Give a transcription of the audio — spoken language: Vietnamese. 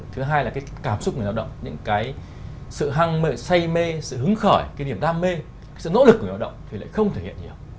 thứ hai là cái cảm xúc người lao động những cái sự hăng say mê sự hứng khởi cái niềm đam mê sự nỗ lực của người lao động thì lại không thể hiện nhiều